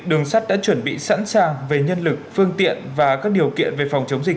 đường sắt đã chuẩn bị sẵn sàng về nhân lực phương tiện và các điều kiện về phòng chống dịch